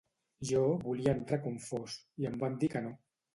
Jo volia entrar com fos, i em van dir que no.